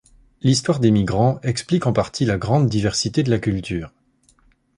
L'histoire des migrants explique en partie la grande diversité de la culture.